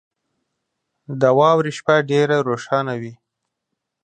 • د واورې شپه ډېره روښانه وي.